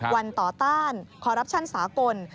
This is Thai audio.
วันต่อต้านคอรัปชั่นสากล